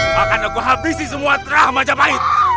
bahkan aku habisi semua terah majapahit